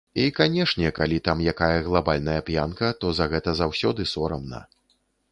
І, канешне, калі там якая глабальная п'янка, то за гэта заўсёды сорамна.